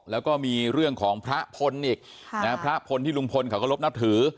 แล้วก็มีเรื่องของพระพลอีกพระพลที่ลุงพลเขาก็รบนับถือ